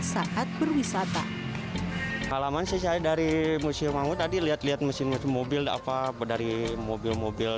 saat berwisata halaman dari museum angkut tadi lihat lihat mobil mobil apa dari mobil mobil